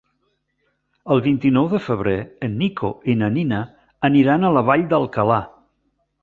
El vint-i-nou de febrer en Nico i na Nina aniran a la Vall d'Alcalà.